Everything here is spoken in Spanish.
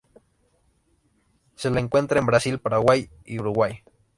Se la encuentra en Brasil, Paraguay y Uruguay.